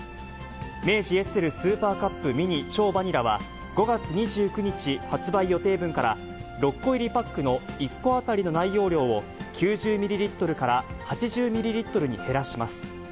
明治エッセルスーパーカップミニ超バニラは、５月２９日発売予定分から、６個入りパックの１個当たりの内容量を、９０ミリリットルから８０ミリリットルに減らします。